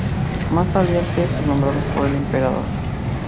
Más tardíamente, están nombrados por el emperador.